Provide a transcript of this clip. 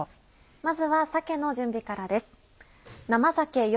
まずは鮭の準備からです。